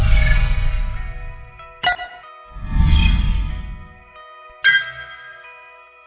cảnh sát điều tra bộ công an